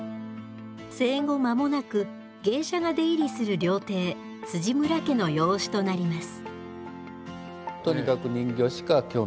生後間もなく芸者が出入りする料亭村家の養子となります。